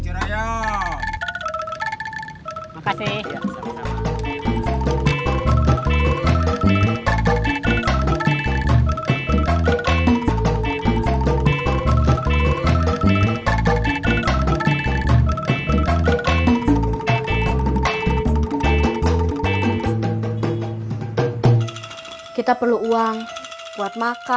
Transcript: suka kesasar gak